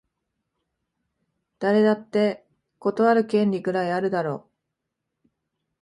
誰だって断る権利ぐらいあるだろ